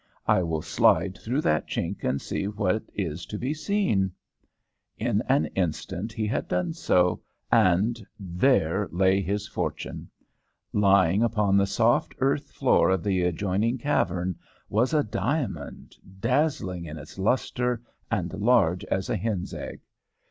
I will slide through that chink and see what is to be seen.' [Illustration: "IT NEARLY BLINDED HIM"] "In an instant he had done so, and there lay his fortune. Lying upon the soft earth floor of the adjoining cave was a diamond, dazzling in its lustre, and large as a hen's egg.